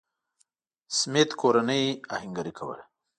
سمېت کورنۍ اهنګري کوله.